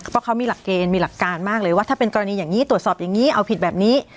เพราะเขามีหลักเกณฑ์มีหลักการมากเลยว่าถ้าเป็นกรณีอย่างนี้ตรวจสอบอย่างนี้เอาผิดแบบนี้